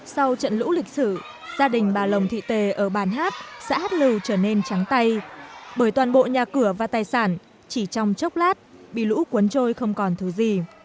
sau trận lũ lịch sử gia đình bà lồng thị tề ở bàn hát xã hát lưu trở nên trắng tay bởi toàn bộ nhà cửa và tài sản chỉ trong chốc lát bị lũ cuốn trôi không còn thứ gì